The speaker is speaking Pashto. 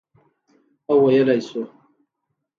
او ویلای شو،